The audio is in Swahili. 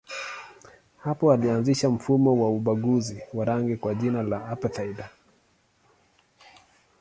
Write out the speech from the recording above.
Hapo ilianzisha mfumo wa ubaguzi wa rangi kwa jina la apartheid.